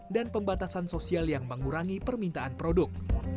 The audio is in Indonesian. dan pembatasan sosial yang mengurangi permintaan produk